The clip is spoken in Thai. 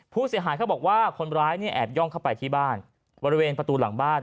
ผู้เสียหายเขาบอกว่าคนร้ายเนี่ยแอบย่องเข้าไปที่บ้านบริเวณประตูหลังบ้าน